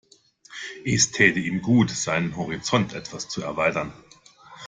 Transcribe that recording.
Es täte ihm gut, seinen Horizont etwas zu erweitern.